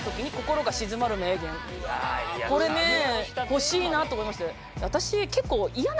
これね欲しいなと思います。